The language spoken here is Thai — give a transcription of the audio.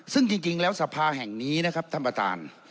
ซึ่งจริงแล้วสภาแห่งนี้นะครับท่านประธาน